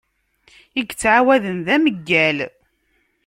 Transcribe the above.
I yettɛawaden d ameyyal.